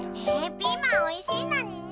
ピーマンおいしいのにね。